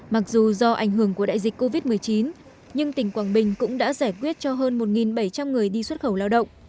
mặc dù do ảnh hưởng của đại dịch covid một mươi chín nhưng tỉnh quảng bình cũng đã giải quyết cho hơn một bảy trăm linh người đi xuất khẩu lao động